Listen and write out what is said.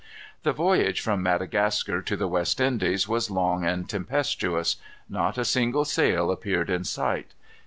The voyage from Madagascar to the West Indies was long and tempestuous. Not a single sail appeared in sight.